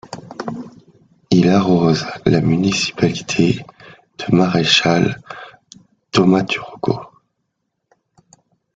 Il arrose la municipalité de Marechal Taumaturgo.